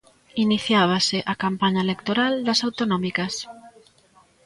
Iniciábase a campaña electoral das autonómicas.